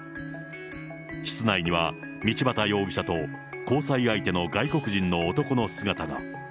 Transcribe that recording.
室内には道端容疑者と、交際相手の外国人の男の姿が。